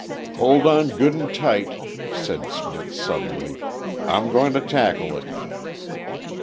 "Hold on good an' tight," said Smith suddenly. "I'm goin' to tackle it."